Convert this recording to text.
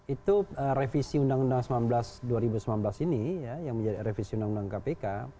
itu revisi undang undang sembilan belas dua ribu sembilan belas ini yang menjadi revisi undang undang kpk